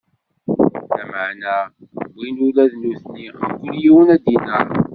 Lameɛna wwin ula d nutni, mkul yiwen, adinaṛ.